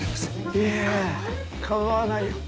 いや構わないよ。